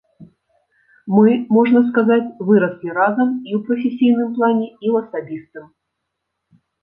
Мы, можна сказаць, выраслі разам і ў прафесійным плане, і ў асабістым.